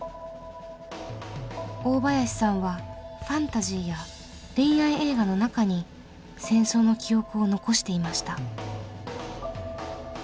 大林さんはファンタジーや恋愛映画の中に戦争の記憶を残していました。